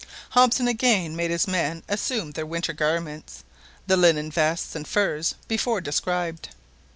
Hobson again made his men assume their winter garments, the linen vests and furs before described.